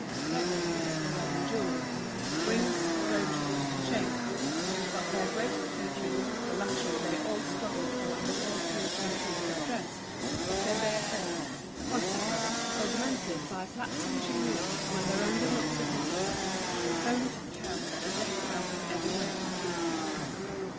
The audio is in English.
Several risked wearing jewellery—rings, brooches, chains; but their great coquetry, the luxury they all struggled for in the forced uniformity of their dress, was their bare hair, quantities of it, augmented by plaits and chignons when their own did not suffice, combed, curled, and decked out in every way.